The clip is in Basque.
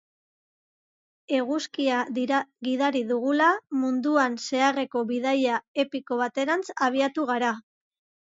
Eguzkia gidari dugula, munduan zeharreko bidaia epiko baterantz abiatu gara.